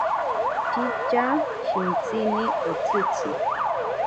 Ishitya shintsini otsitzi.